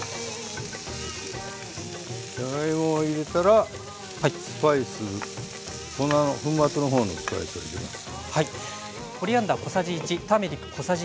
じゃがいもを入れたらスパイス粉末の方のスパイスを入れます。